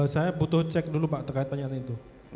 saya butuh cek dulu pak terkait pernyataan itu